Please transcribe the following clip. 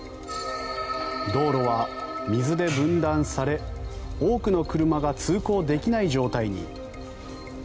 道路は水で分断され多くの車が通行できない状態に。